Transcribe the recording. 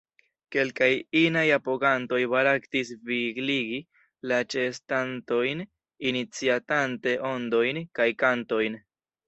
Kelkaj inaj apogantoj baraktis vigligi la ĉeestantojn, iniciatante ondojn kaj kantojn.